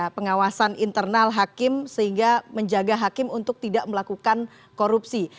pengawasan internal hakim sehingga menjaga hakim untuk tidak melakukan korupsi